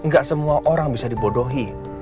gak semua orang bisa dibodohi